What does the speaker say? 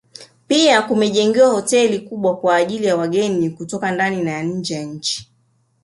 Pia kumejengwa hoteli kubwa kwa ajili ya wageni kutoka ndani na nje ya nchi